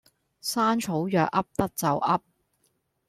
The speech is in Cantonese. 山草藥噏得就噏